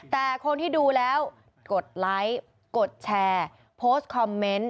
แต่คนที่ดูแล้วกดไลค์กดแชร์โพสต์คอมเมนต์